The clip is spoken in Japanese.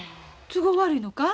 都合悪いのか？